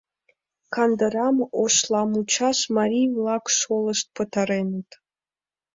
Кандырам Ошламучаш марий-влак шолышт пытареныт.